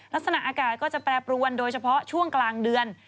ลักษณะอากาศก็จะแปรปรวนโดยเฉพาะช่วงกลางเดือน